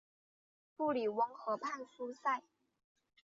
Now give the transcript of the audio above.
布里翁河畔苏塞。